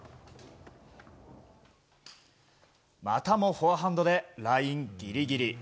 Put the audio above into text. またもフォアハンドでラインギリギリ。